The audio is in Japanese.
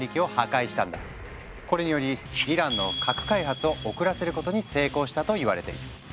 これによりイランの核開発を遅らせることに成功したといわれている。